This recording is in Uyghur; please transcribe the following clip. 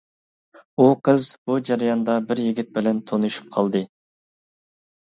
ئۇ قىز بۇ جەرياندا بىر يىگىت بىلەن تونۇشۇپ قالدى.